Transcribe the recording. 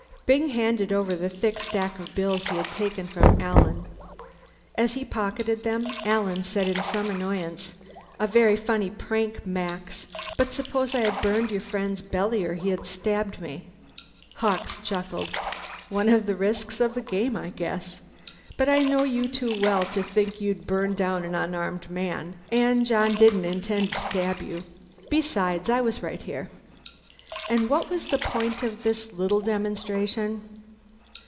Byng handed over the thick stack of bills he had taken from Alan. As he pocketed them, Alan said in some annoyance, "A very funny prank, Max. But suppose I had burned your friend's belly, or he had stabbed me?" Hawkes chuckled. "One of the risks of the game, I guess. But I know you too well to think that you'd burn down an unarmed man, and John didn't intend to stab you. Besides, I was right here." "And what was the point of this little demonstration?"